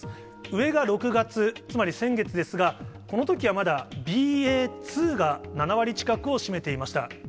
上が６月、つまり先月ですが、このときはまだＢＡ．２が７割近くを占めていました。